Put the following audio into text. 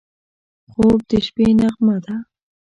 خوب د شپه نغمه ده